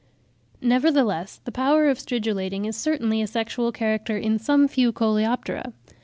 Nevertheless, the power of stridulating is certainly a sexual character in some few Coleoptera.